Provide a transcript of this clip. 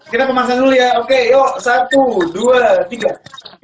kita pemanasan dulu ya oke yuk